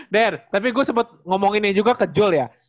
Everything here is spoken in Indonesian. der tapi gue sempet ngomonginnya juga ke jul ya